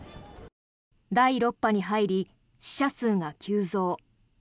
第６波に入り死者数が急増。